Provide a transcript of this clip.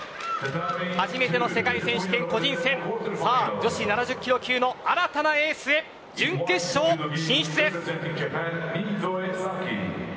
初めての世界選手権個人戦女子７０キロ級の新たなエースへ準決勝進出です。